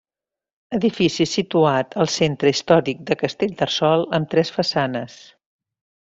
Edifici situat al centre històric de Castellterçol amb tres façanes.